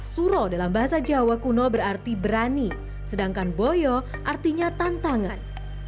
suro dalam bahasa jawa kuno berarti berani sedangkan boyo artinya tantangan